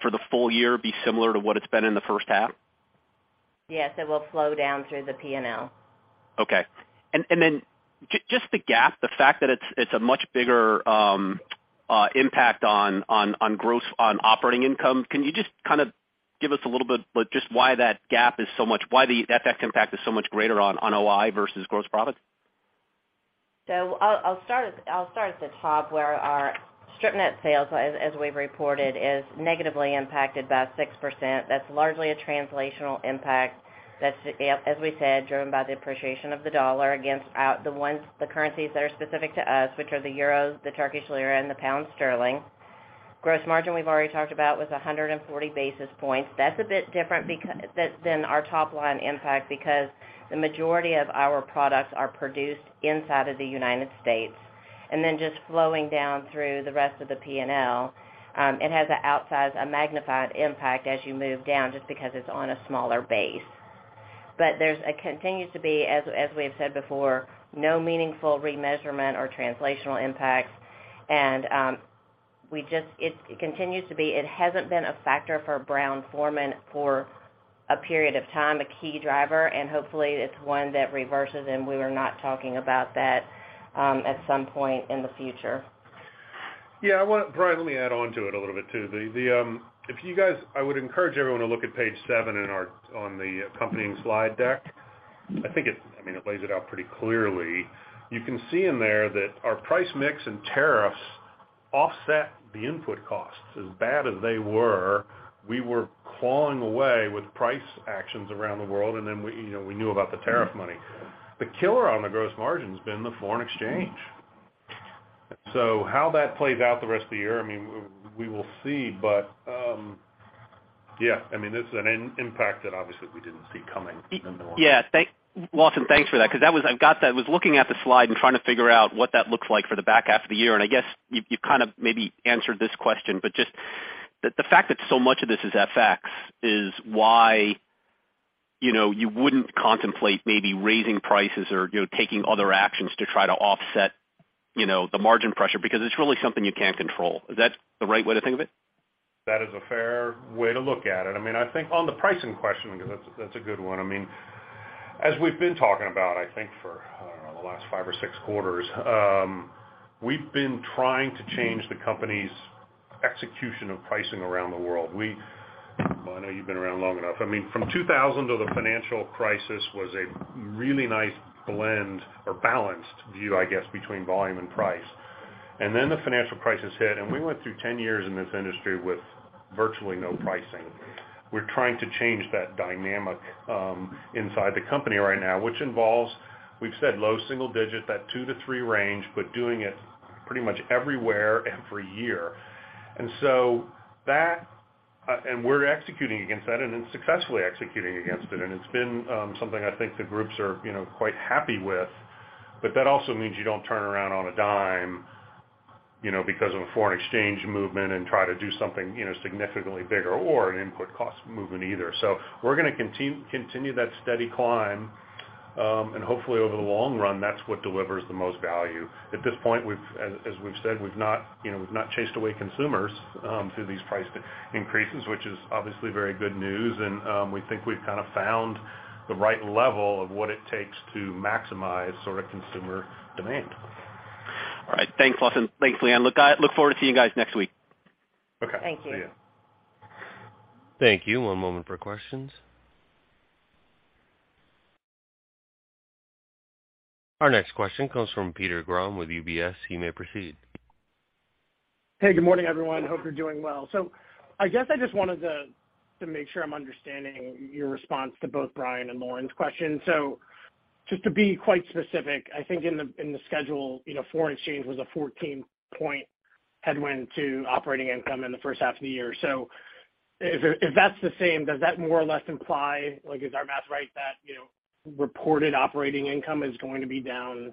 for the full year be similar to what it's been in the first half? Yes, it will flow down through the P&L. Okay. Then just the gap, the fact that it's a much bigger impact on operating income, can you just kind of give us a little bit, but just why that gap is so much why the FX impact is so much greater on OI versus gross profit? I'll start at the top where our strip net sales, as we've reported, is negatively impacted by 6%. That's largely a translational impact that's, as we said, driven by the appreciation of the dollar against the ones, the currencies that are specific to us, which are the euros, the Turkish lira, and the pound sterling. Gross margin, we've already talked about, was 140 basis points. That's a bit different than our top line impact because the majority of our products are produced inside of the United States. Just flowing down through the rest of the P&L, it has an outsized, a magnified impact as you move down just because it's on a smaller base. It continues to be, as we have said before, no meaningful remeasurement or translational impacts. It continues to be, it hasn't been a factor for Brown-Forman for a period of time, a key driver, and hopefully it's one that reverses, and we are not talking about that at some point in the future. I wanna, Bryan, let me add on to it a little bit too. I would encourage everyone to look at page seven in our, on the accompanying slide deck. I think it, I mean, it lays it out pretty clearly. You can see in there that our price mix and tariffs offset the input costs. As bad as they were, we were clawing away with price actions around the world, and then we, you know, we knew about the tariff money. The killer on the gross margin's been the foreign exchange. How that plays out the rest of the year, I mean, we will see. Yeah, I mean, this is an impact that obviously we didn't see coming in the normal. Yeah. Lawson, thanks for that because that was I got that. I was looking at the slide and trying to figure out what that looks like for the back half of the year. I guess you kind of maybe answered this question, but just the fact that so much of this is FX is why, you know, you wouldn't contemplate maybe raising prices or, you know, taking other actions to try to offset, you know, the margin pressure because it's really something you can't control. Is that the right way to think of it? That is a fair way to look at it. I mean, I think on the pricing question, because that's a good one. I mean, as we've been talking about, I think for, I don't know, the last five or six quarters, we've been trying to change the company's execution of pricing around the world. Well, I know you've been around long enough. I mean, from 2000 till the financial crisis was a really nice blend or balanced view, I guess, between volume and price. Then the financial crisis hit, and we went through 10 years in this industry with virtually no pricing. We're trying to change that dynamic inside the company right now, which involves, we've said low single digit, that 2-3 range, but doing it pretty much everywhere every year. We're executing against that and successfully executing against it. It's been something I think the groups are, you know, quite happy with. That also means you don't turn around on a dime, you know, because of a foreign exchange movement and try to do something, you know, significantly bigger or an input cost movement either. We're gonna continue that steady climb, and hopefully over the long run, that's what delivers the most value. At this point, as we've said, we've not, you know, we've not chased away consumers through these price increases, which is obviously very good news. We think we've kind of found the right level of what it takes to maximize sort of consumer demand. All right. Thanks, Lawson. Thanks, Leanne. Look forward to seeing you guys next week. Okay. Thank you. See you. Thank you. One moment for questions. Our next question comes from Peter Grom with UBS. You may proceed. Good morning, everyone. Hope you're doing well. I guess I just wanted to make sure I'm understanding your response to both Bryan and Lauren's question. Just to be quite specific, I think in the schedule, you know, foreign exchange was a 14-point headwind to operating income in the first half of the year. If that's the same, does that more or less imply, like, is our math right, that, you know, reported operating income is going to be down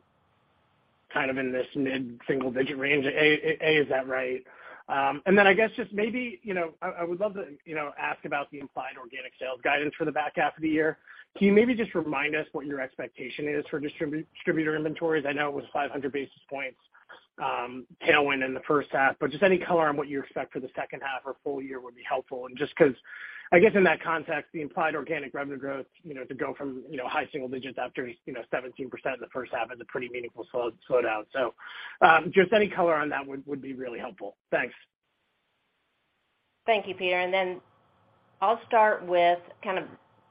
kind of in this mid-single digit range? A, is that right? I guess just maybe, you know, I would love to, you know, ask about the implied organic sales guidance for the back half of the year. Can you maybe just remind us what your expectation is for distributor inventories? I know it was 500 basis points, tailwind in the first half, but just any color on what you expect for the second half or full year would be helpful. Just 'cause I guess in that context, the implied organic revenue growth, you know, to go from, you know, high single digits after, you know, 17% in the first half is a pretty meaningful slowdown. Just any color on that would be really helpful. Thanks. Thank you, Peter. I'll start with kind of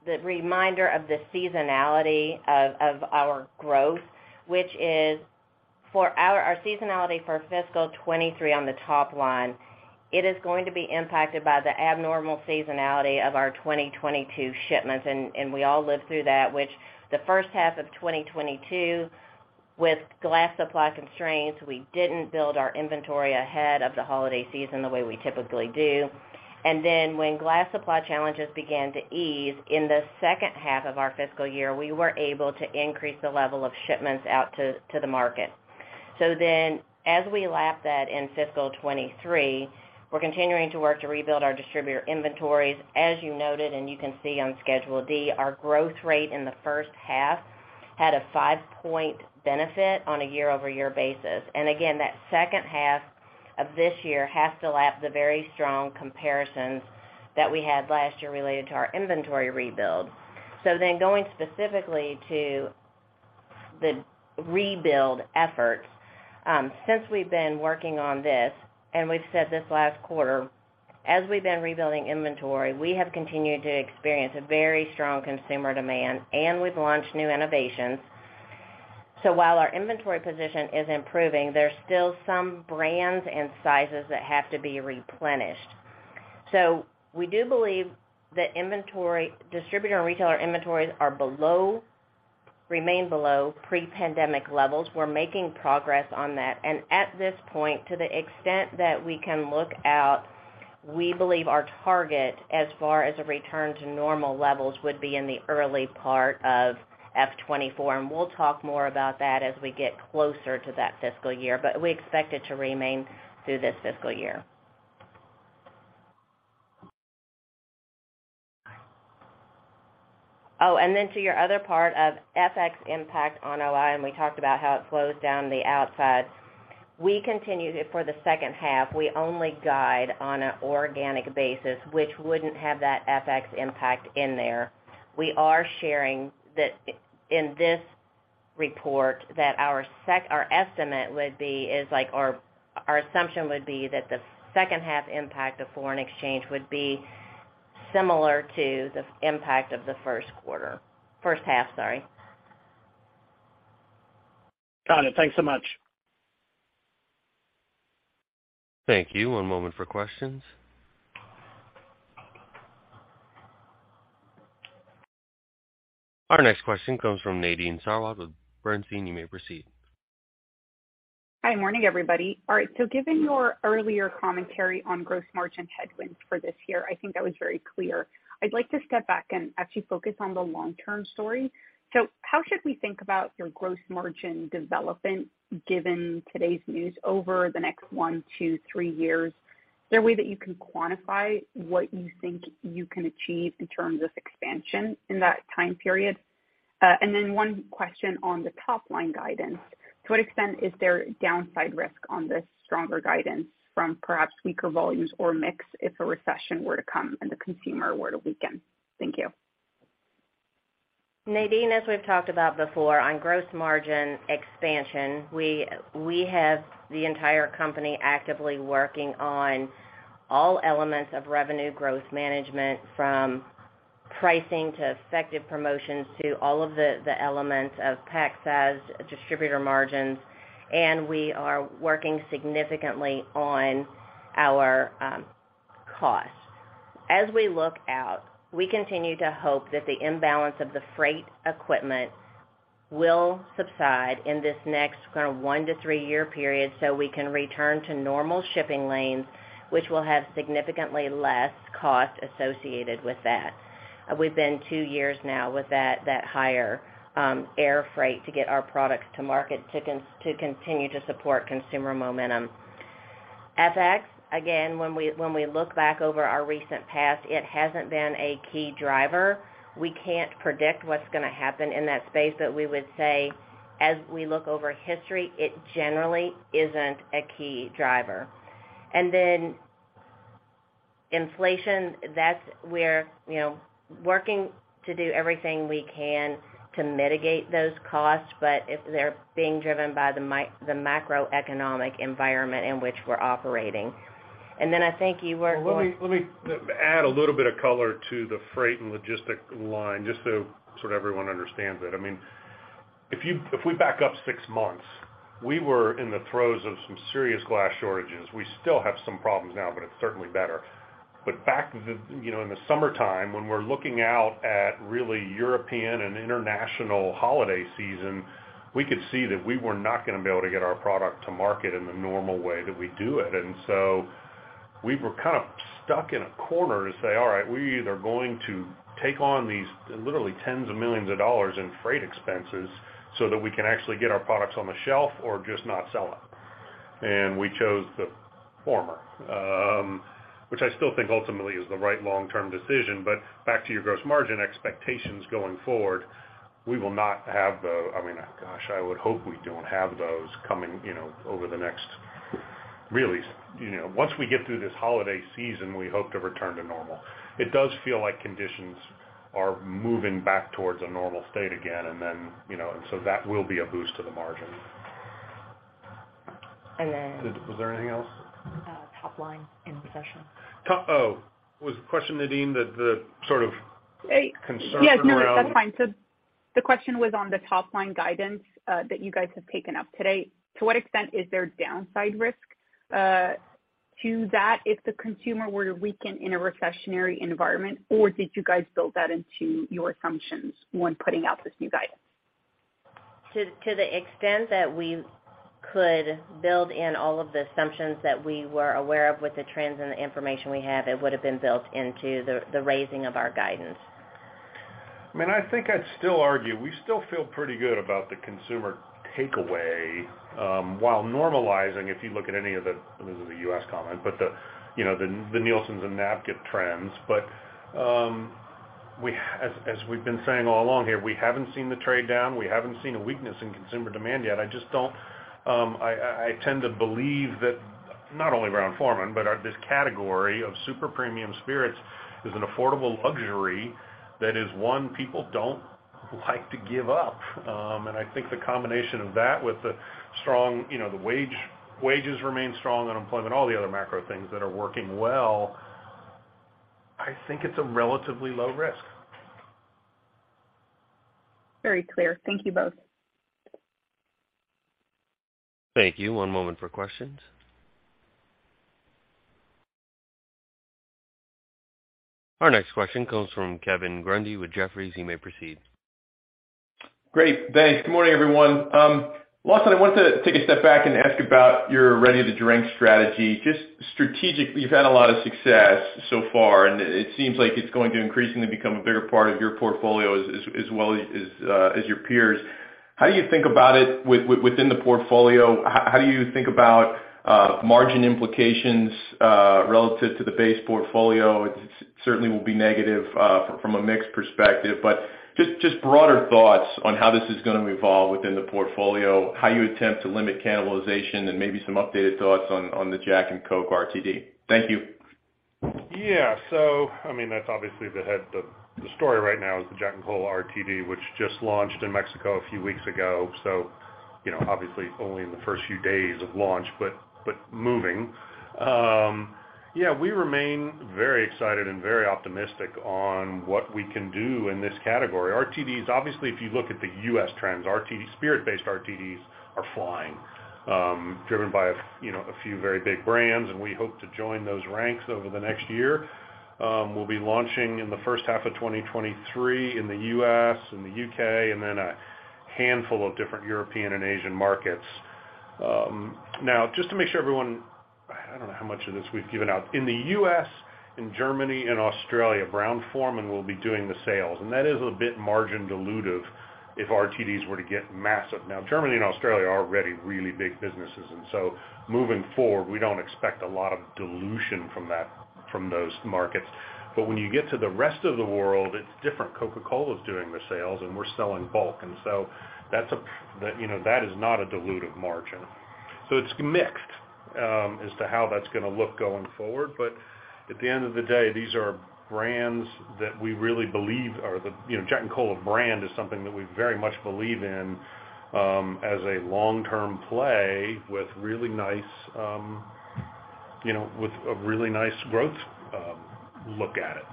the reminder of the seasonality of our growth, which is for our seasonality for fiscal 2023 on the top line, it is going to be impacted by the abnormal seasonality of our 2022 shipments. We all lived through that, which the first half of 2022 with glass supply constraints, we didn't build our inventory ahead of the holiday season the way we typically do. When glass supply challenges began to ease in the second half of our fiscal year, we were able to increase the level of shipments out to the market. As we lap that in fiscal 2023, we're continuing to work to rebuild our distributor inventories. As you noted, and you can see on Schedule D, our growth rate in the first half had a five-point benefit on a year-over-year basis. Again, that second half of this year has to lap the very strong comparisons that we had last year related to our inventory rebuild. Going specifically to the rebuild efforts, since we've been working on this, and we've said this last quarter, as we've been rebuilding inventory, we have continued to experience a very strong consumer demand, and we've launched new innovations. While our inventory position is improving, there's still some brands and sizes that have to be replenished. We do believe that distributor and retailer inventories are below, remain below pre-pandemic levels. We're making progress on that. At this point, to the extent that we can look out, we believe our target as far as a return to normal levels would be in the early part of F24. We'll talk more about that as we get closer to that fiscal year, but we expect it to remain through this fiscal year. To your other part of FX impact on OI, and we talked about how it slows down the outside. We continue to, for the second half, we only guide on an organic basis, which wouldn't have that FX impact in there. We are sharing that in this report that our estimate would be is like our assumption would be that the second half impact of foreign exchange would be similar to the impact of the first quarter. First half, sorry. Got it. Thanks so much. Thank you. One moment for questions. Our next question comes from Nadine Sarwat with Bernstein. You may proceed. Hi. Morning, everybody. All right. Given your earlier commentary on gross margin headwinds for this year, I think that was very clear. I'd like to step back and actually focus on the long-term story. How should we think about your gross margin development given today's news over the next one, two, three years? Is there a way that you can quantify what you think you can achieve in terms of expansion in that time period? Then one question on the top-line guidance. To what extent is there downside risk on this stronger guidance from perhaps weaker volumes or mix if a recession were to come and the consumer were to weaken? Thank you. Nadine, as we've talked about before, on gross margin expansion, we have the entire company actively working on all elements of revenue growth management from pricing to effective promotions to all of the elements of pack size, distributor margins, and we are working significantly on our costs. As we look out, we continue to hope that the imbalance of the freight equipment will subside in this next kind of 1-3 year period, so we can return to normal shipping lanes, which will have significantly less cost associated with that. We've been two years now with that higher air freight to get our products to market to continue to support consumer momentum. FX, again, when we look back over our recent past, it hasn't been a key driver. We can't predict what's gonna happen in that space, but we would say, as we look over history, it generally isn't a key driver. Inflation, that's where, you know, working to do everything we can to mitigate those costs, but if they're being driven by the macroeconomic environment in which we're operating. I think. Well, let me add a little bit of color to the freight and logistic line just so everyone understands it. I mean, if we back up six months, we were in the throes of some serious glass shortages. We still have some problems now, but it's certainly better. Back the, you know, in the summertime, when we're looking out at really European and international holiday season, we could see that we were not gonna be able to get our product to market in the normal way that we do it. We were kind of stuck in a corner to say, all right, we either going to take on these literally tens of millions of dollars in freight expenses so that we can actually get our products on the shelf or just not sell them. We chose the former, which I still think ultimately is the right long-term decision. Back to your gross margin expectations going forward, I mean, gosh, I would hope we don't have those coming, you know, over the next, really, you know. Once we get through this holiday season, we hope to return to normal. It does feel like conditions are moving back towards a normal state again, and then, you know, so that will be a boost to the margin. And then. Was there anything else? Top line in recession. Oh, was the question, Nadine, the sort of concern? Yes. No, that's fine. The question was on the top-line guidance, that you guys have taken up today. To what extent is there downside risk to that if the consumer were to weaken in a recessionary environment, or did you guys build that into your assumptions when putting out this new guidance? To the extent that we could build in all of the assumptions that we were aware of with the trends and the information we have, it would have been built into the raising of our guidance. I mean, I think I'd still argue, we still feel pretty good about the consumer takeaway, while normalizing, if you look at any of the, this is a U.S. comment, but the, you know, the Nielsens and NABCA trends. As we've been saying all along here, we haven't seen the trade down. We haven't seen a weakness in consumer demand yet. I just don't, I tend to believe that not only Brown-Forman, but this category of super premium spirits is an affordable luxury that is one people don't like to give up. And I think the combination of that with the strong, you know, the wage, wages remain strong, unemployment, all the other macro things that are working well, I think it's a relatively low risk. Very clear. Thank you both. Thank you. One moment for questions. Our next question comes from Kevin Grundy with Jefferies. You may proceed. Great. Thanks. Good morning, everyone. Lawson, I want to take a step back and ask about your ready-to-drink strategy. Just strategically, you've had a lot of success so far, and it seems like it's going to increasingly become a bigger part of your portfolio as well as your peers. How do you think about it within the portfolio? How do you think about margin implications relative to the base portfolio? It certainly will be negative from a mix perspective. Just broader thoughts on how this is gonna evolve within the portfolio, how you attempt to limit cannibalization, and maybe some updated thoughts on the Jack and Coke RTD. Thank you. I mean, that's obviously the story right now is the Jack & Coke RTD, which just launched in Mexico a few weeks ago. You know, obviously only in the first few days of launch, but moving. We remain very excited and very optimistic on what we can do in this category. RTDs, obviously, if you look at the U.S. trends, RTD, spirit-based RTDs are flying, driven by a, you know, a few very big brands, and we hope to join those ranks over the next year. We'll be launching in the first half of 2023 in the U.S. and the U.K., and then a handful of different European and Asian markets. Just to make sure everyone, I don't know how much of this we've given out. In the U.S., in Germany and Australia, Brown-Forman will be doing the sales. That is a bit margin dilutive if RTDs were to get massive. Germany and Australia are already really big businesses. Moving forward, we don't expect a lot of dilution from that, from those markets. When you get to the rest of the world, it's different. Coca-Cola is doing the sales, and we're selling bulk. That's a, you know, that is not a dilutive margin. It's mixed as to how that's gonna look going forward. At the end of the day, these are brands that we really believe are the, you know, Jack and Cola brand is something that we very much believe in as a long-term play with really nice, you know, with a really nice growth look at it.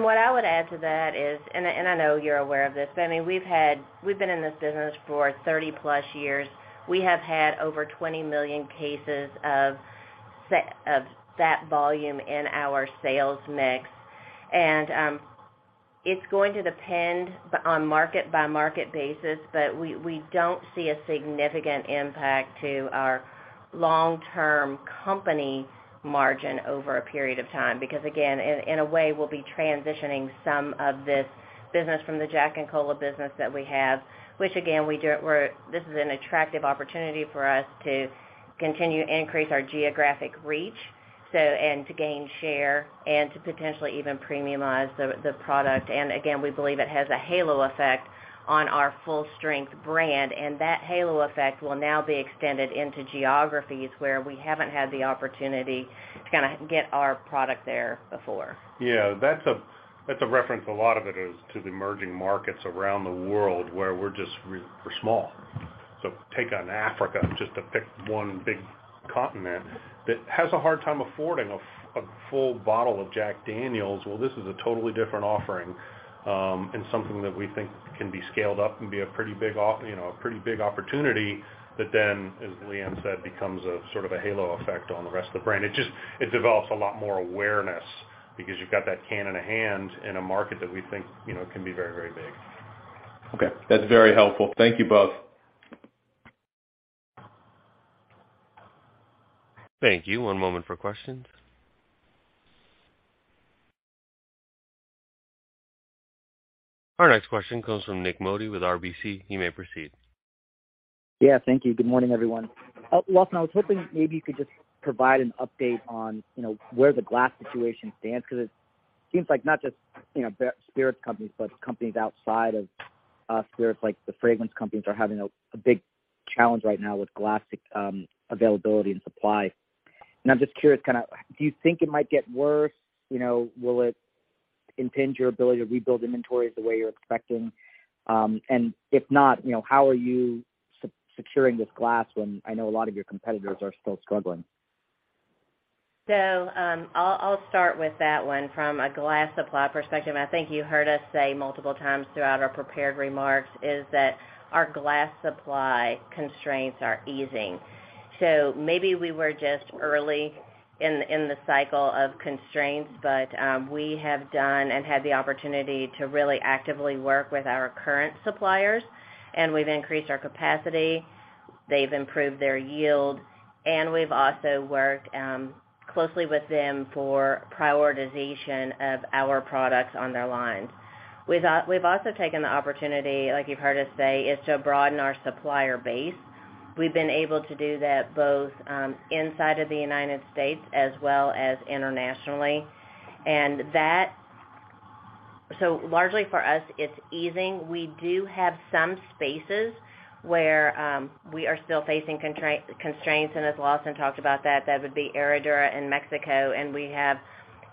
What I would add to that is, and I, and I know you're aware of this, but, I mean, we've been in this business for 30+ years. We have had over 20 million cases of that volume in our sales mix. It's going to depend on market by market basis, but we don't see a significant impact to our long-term company margin over a period of time. Again, in a way, we'll be transitioning some of this business from the Jack & Coke business that we have, which again, this is an attractive opportunity for us to continue to increase our geographic reach, so, and to gain share and to potentially even premiumize the product. Again, we believe it has a halo effect on our full-strength brand, and that halo effect will now be extended into geographies where we haven't had the opportunity to kinda get our product there before. That's a, that's a reference, a lot of it is to the emerging markets around the world where we're just we're small. Take on Africa, just to pick one big continent, that has a hard time affording a full bottle of Jack Daniel's. This is a totally different offering, and something that we think can be scaled up and be a pretty big, you know, a pretty big opportunity that then, as Leanne said, becomes a sort of a halo effect on the rest of the brand. It just, it develops a lot more awareness because you've got that can in a hand in a market that we think, you know, can be very, very big. Okay, that's very helpful. Thank you both. Thank you. One moment for questions. Our next question comes from Nik Modi with RBC. You may proceed. Yeah, thank you. Good morning, everyone. Lawson, I was hoping maybe you could just provide an update on, you know, where the glass situation stands, 'cause it seems like not just, you know, spirits companies, but companies outside of spirits, like the fragrance companies, are having a big challenge right now with glass availability and supply. I'm just curious, kinda, do you think it might get worse? You know, will it impinge your ability to rebuild inventories the way you're expecting? If not, you know, how are you securing this glass when I know a lot of your competitors are still struggling? I'll start with that one from a glass supply perspective. I think you heard us say multiple times throughout our prepared remarks is that our glass supply constraints are easing. Maybe we were just early in the cycle of constraints, but we have done and had the opportunity to really actively work with our current suppliers, and we've increased our capacity, they've improved their yield, and we've also worked closely with them for prioritization of our products on their lines. We've also taken the opportunity, like you've heard us say, is to broaden our supplier base. We've been able to do that both inside of the United States as well as internationally. Largely for us, it's easing. We do have some spaces where we are still facing constraints. As Lawson talked about that would be Herradura and Mexico, and we have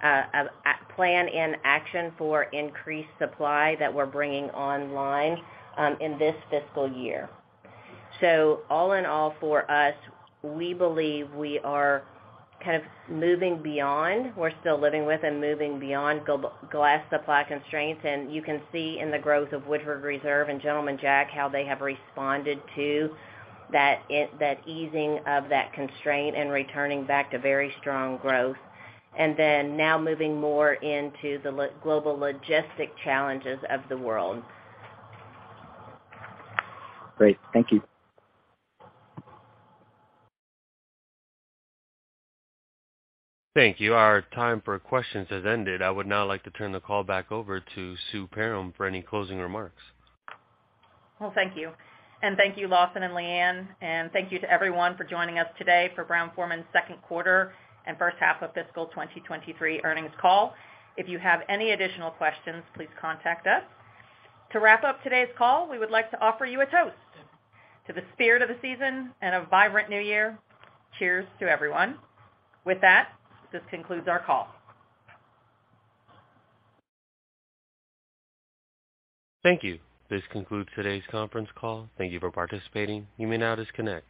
a plan in action for increased supply that we're bringing online in this fiscal year. All in all, for us, we believe we are kind of moving beyond. We're still living with and moving beyond glass supply constraints. You can see in the growth of Woodford Reserve and Gentleman Jack, how they have responded to that easing of that constraint and returning back to very strong growth. Now moving more into the global logistic challenges of the world. Great. Thank you. Thank you. Our time for questions has ended. I would now like to turn the call back over to Sue Perram for any closing remarks. Well, thank you. Thank you, Lawson and Leanne. Thank you to everyone for joining us today for Brown-Forman's second quarter and first half of fiscal 2023 earnings call. If you have any additional questions, please contact us. To wrap up today's call, we would like to offer you a toast. To the spirit of the season and a vibrant new year. Cheers to everyone. With that, this concludes our call. Thank you. This concludes today's conference call. Thank you for participating. You may now disconnect.